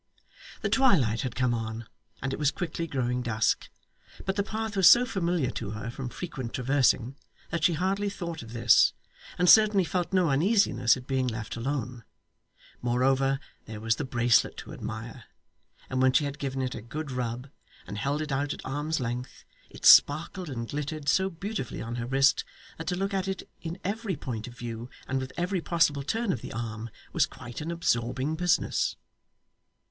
The twilight had come on, and it was quickly growing dusk, but the path was so familiar to her from frequent traversing that she hardly thought of this, and certainly felt no uneasiness at being left alone. Moreover, there was the bracelet to admire; and when she had given it a good rub, and held it out at arm's length, it sparkled and glittered so beautifully on her wrist, that to look at it in every point of view and with every possible turn of the arm, was quite an absorbing business.